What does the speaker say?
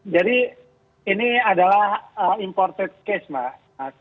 jadi ini adalah imported case pak